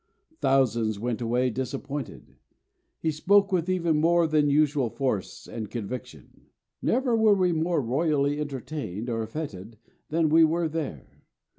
Thousands went away disappointed. He spoke with even more than usual force and conviction." Never were we more royally entertained or fêted than we were here.